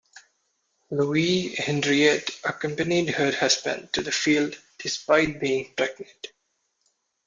Louise Henriette accompanied her husband to the field despite being pregnant.